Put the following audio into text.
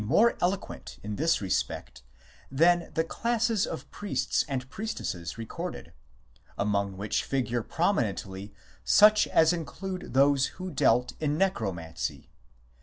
NECROMANCY 127 eloquent in this respect than the classes of priests and priestesses recorded, among which figure prominently such as include those who dealt in Necromancy.